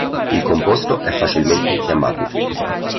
Il composto è facilmente infiammabile.